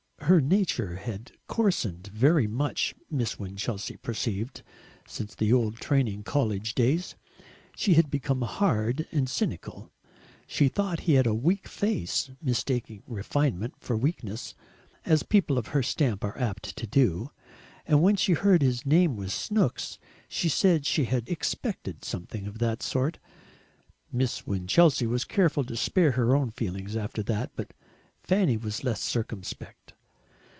Her nature had coarsened very much, Miss Winchelsea perceived, since the old Training College days; she had become hard and cynical. She thought he had a weak face, mistaking refinement for weakness as people of her stamp are apt to do, and when she heard his name was Snooks, she said she had expected something of the sort. Miss Winchelsea was careful to spare her own feelings after that, but Fanny was less circumspect.